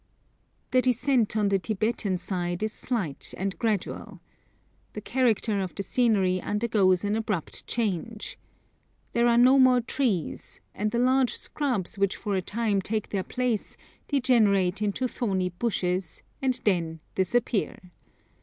The descent on the Tibetan side is slight and gradual. The character of the scenery undergoes an abrupt change. There are no more trees, and the large shrubs which for a time take their place degenerate into thorny bushes, and then disappear.